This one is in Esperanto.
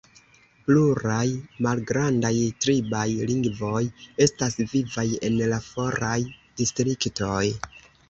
Pluraj malgrandaj tribaj lingvoj estas vivaj en la foraj distriktoj.